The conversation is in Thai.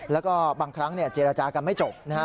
แล้วก็บางครั้งเจรจากันไม่จบนะฮะ